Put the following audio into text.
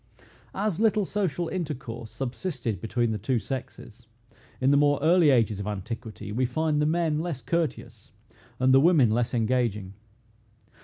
As little social intercourse subsisted between the two sexes, in the more early ages of antiquity, we find the men less courteous, and the women less engaging.